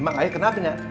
emang aja kena apinya